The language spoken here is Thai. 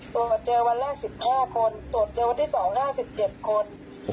วันเจอวันแล้วสิบห้าคนตรวจตรวจสองห้าสิบเจ็บคน